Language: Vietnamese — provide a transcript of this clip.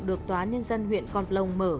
được tòa nhân dân huyện con plong mở